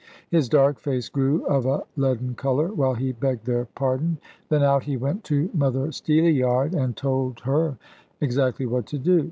His dark face grew of a leaden colour, while he begged their pardon. Then out he went to Mother Steelyard, and told her exactly what to do.